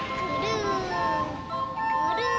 くるん。